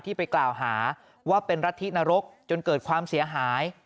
ไปกล่าวหาว่าเป็นรัฐธินรกจนเกิดความเสียหาย